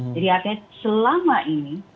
jadi akhirnya selama ini